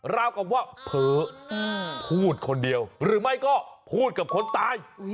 ราวกับว่าเผลอพูดคนเดียวหรือไม่ก็พูดกับคนตาย